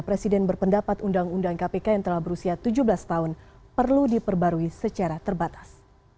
presiden berpendapat undang undang kpk yang telah berusia tujuh belas tahun perlu diperbarui secara terbatas